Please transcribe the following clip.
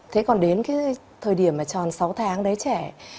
thế còn đến cái thời điểm mà tròn sáu tháng đấy trẻ